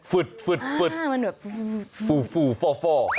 ฟืดฟูฟ่อ